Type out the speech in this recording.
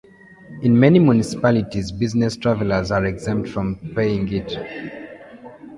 In many municipalities business travelers are exempt from paying it.